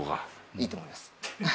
いいと思います。